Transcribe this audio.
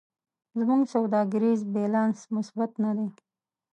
زموږ سوداګریز بیلانس مثبت نه دی.